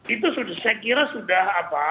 itu saya kira sudah apa